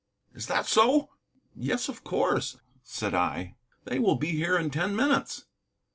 "Is that so?" "Yes, of course," said I, "they will be here in ten minutes."